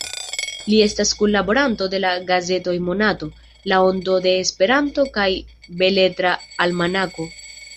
Li estas kunlaboranto de la gazetoj Monato, La Ondo de Esperanto kaj Beletra Almanako.